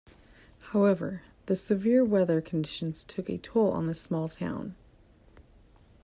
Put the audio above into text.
However, the severe weather conditions took a toll on the small town.